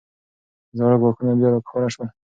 زاړه ګواښونه بیا راښکاره شول.